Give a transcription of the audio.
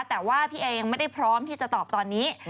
แต่ว่าพี่เองไม่ได้พร้อมที่จะตอบตอนนี้